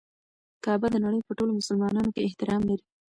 کعبه د نړۍ په ټولو مسلمانانو کې احترام لري.